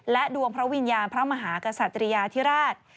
ดวงพระวิญญาณพระมหากษัตริยาธิราช